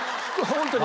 ホントに？